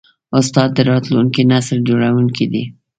استاد د راتلونکي نسل جوړوونکی دی.